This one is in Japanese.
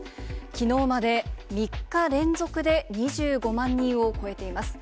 きのうまで３日連続で２５万人を超えています。